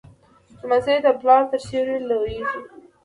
لمسی د پلار تر سیوري لویېږي.